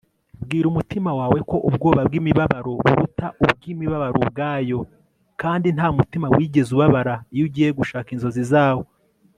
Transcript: bwira umutima wawe ko ubwoba bw'imibabaro buruta ubw'imibabaro ubwayo kandi nta mutima wigeze ubabara iyo ugiye gushaka inzozi zawo